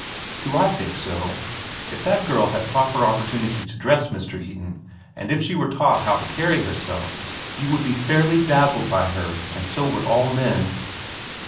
"Do I think so? If that girl had proper opportunity to dress, Mr. Eden, and if she were taught how to carry herself, you would be fairly dazzled by her, and so would all men."